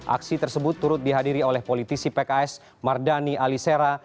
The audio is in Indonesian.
aksi tersebut turut dihadiri oleh politisi pks mardani alisera